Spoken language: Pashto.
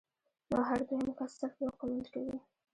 نو هر دويم کس صرف يو کمنټ کوي